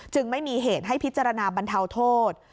ไม่มีเหตุให้พิจารณาบรรเทาโทษ